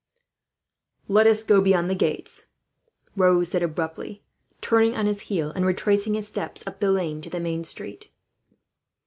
"Let us get beyond the gates," Raoul said abruptly, turning on his heel, and retracing his steps up the lane to the main street.